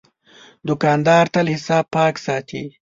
دوکاندار تل حساب پاک ساتي.